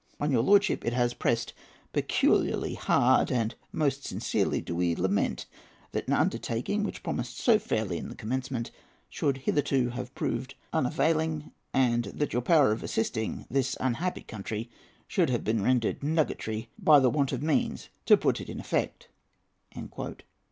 On your lordship it has pressed peculiarly hard; and most sincerely do we lament that an undertaking, which promised so fairly in the commencement should hitherto have proved unavailing, and that your power of assisting this unhappy country should have been rendered nugatory by the want of means to put it in effect."